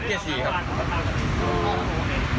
โอ้ยโอ้ยโอ้ย